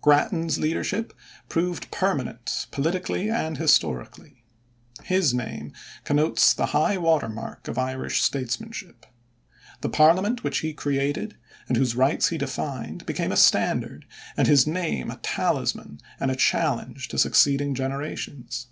Grattan's leadership proved permanent politically and historically. His name connotes the high water mark of Irish statesmanship. The parliament which he created and whose rights he defined became a standard, and his name a talisman and a challenge to succeeding generations.